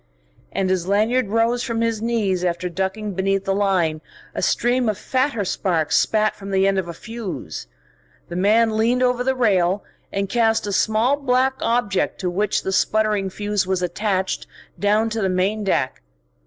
And as Lanyard rose from his knees after ducking beneath the line, a stream of fatter sparks spat from the end of a fuse. The man leaned over the rail and cast a small black object to which the sputtering fuse was attached, down to the main deck.